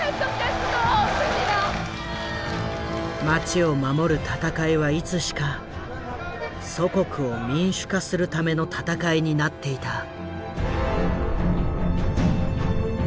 街を守る闘いはいつしか祖国を民主化するための闘いになっていた。